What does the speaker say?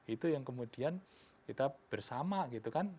itu yang kemudian kita bersama gitu kan